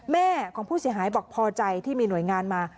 แม่ของผู้เสียหายบอกพอใจที่มีหน่วยงานมา